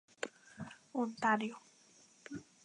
Ontario.